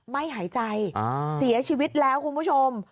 ไม่หายใจเสียชีวิตแล้วคุณผู้ชม